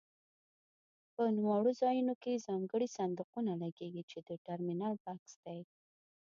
په نوموړو ځایونو کې ځانګړي صندوقونه لګېږي چې د ټرمینل بکس دی.